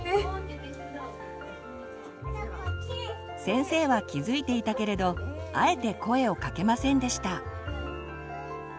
先生は気づいていたけれどあえて声をかけませんでした。